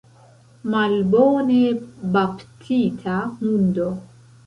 Malbone baptita hundo!